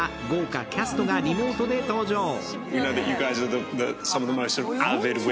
豪華キャストがリモートで登場。